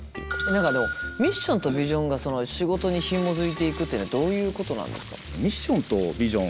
何かでもミッションとビジョンが仕事にひもづいていくというのはどういうことなんですか？